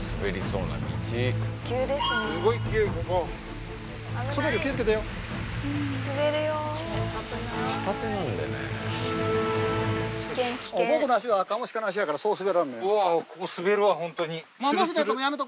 うわここ滑るわホントに。